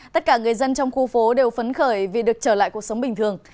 tất cả người dân trong khu phố đều phấn khởi vì được trở lại cuộc sống bình thường